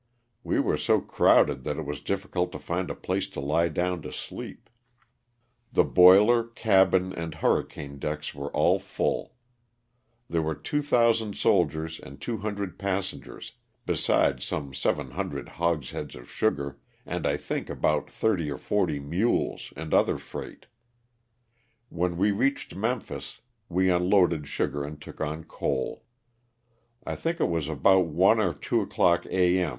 We were so crowded that it was difficult to find a place to lie down to sleep. The boiler, cabin and hurricane decks were all full. There were 2,000 soldiers and 200 passengers, besides some 700 hogsheads of sugar and I think about 30 or 40 mules and other freight. When we reached Memphis we unloaded sugar and took on coal. I think it was about one or two o'clock a. m.